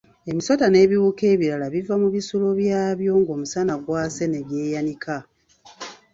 Emisota n'ebiwuka ebirala biva mu bisulo byabyo ng'omusana gwase ne byeyanika.